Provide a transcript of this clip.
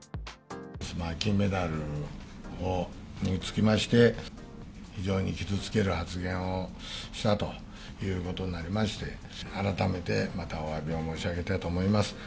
金メダルにつきまして、非常に傷つける発言をしたということになりまして、改めてまたおわびを申し上げたいと思います。